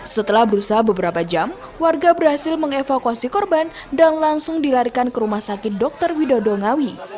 setelah berusaha beberapa jam warga berhasil mengevakuasi korban dan langsung dilarikan ke rumah sakit dr widodo ngawi